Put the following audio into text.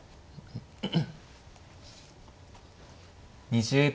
２０秒。